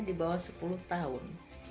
di bawah sepuluh tahun